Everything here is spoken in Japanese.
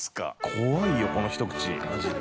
怖いよこのひと口マジで。